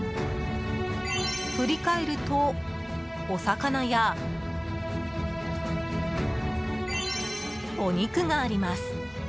振り返るとお魚やお肉があります。